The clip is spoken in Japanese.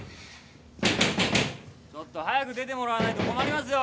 ちょっと早く出てもらわないと困りますよ。